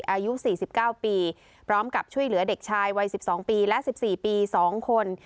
อายุ๔๙ปีพร้อมกับช่วยเหลือเด็กชายวัย๑๒ปีและ๑๔ปี๒คน